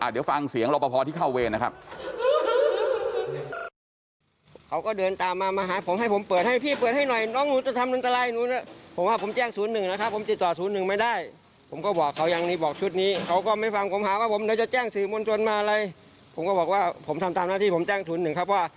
เดี๋ยวฟังเสียงรอปภที่เข้าเวรนะครับ